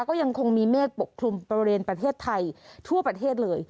ก็ยังคงมีเมฆปกคลุมบริเวณประเทศไทยทั่วประเทศเลย